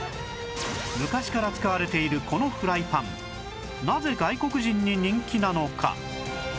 昔から使われているこのフライパンなぜ外国人に人気なのか？